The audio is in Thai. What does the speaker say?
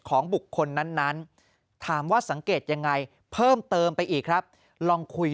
ของบุคคลนั้นถามว่าสังเกตยังไงเพิ่มเติมไปอีกครับลองคุย